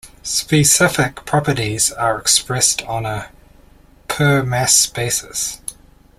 "Specific" properties are expressed on a per mass basis.